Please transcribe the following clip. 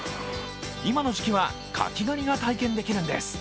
今の時期は柿狩りが体験できるんです。